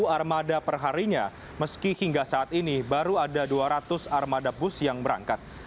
dua puluh armada perharinya meski hingga saat ini baru ada dua ratus armada bus yang berangkat